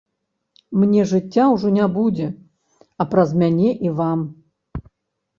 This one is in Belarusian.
Мне жыцця ўжо не будзе, а праз мяне і вам.